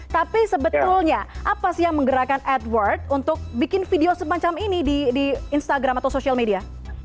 tapi sebetulnya apa sih yang menggerakkan edward untuk bikin video semacam ini di instagram atau social media